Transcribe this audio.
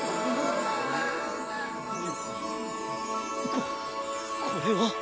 ここれは。